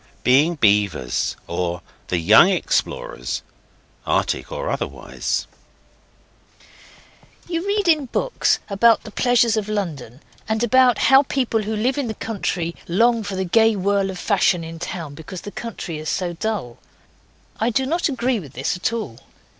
BEING BEAVERS; OR, THE YOUNG EXPLORERS (ARCTIC OR OTHERWISE) You read in books about the pleasures of London, and about how people who live in the country long for the gay whirl of fashion in town because the country is so dull. I do not agree with this at all.